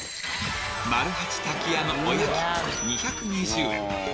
丸八たきやのおやき２２０円